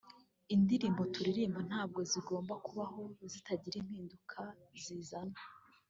indirimbo turirimba ntabwo zigomba kubaho zitagira impinduka zizana